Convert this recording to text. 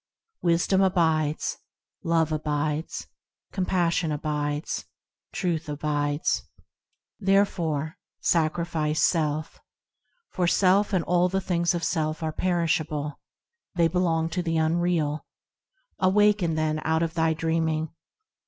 Wisdom abides ; Love abides ; Compassion abides ; Truth abides; Therefore sacrifice self, For self and all the things of self are perishable, They belong to the unreal ! Awake, then, out of thy dreaming!